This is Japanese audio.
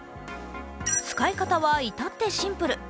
使い方は至ってシンプル。